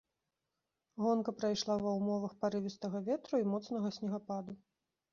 Гонка прайшла ва ўмовах парывістага ветру і моцнага снегападу.